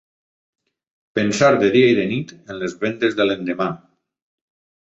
Pensar de dia i de nit en les vendes de l'endemà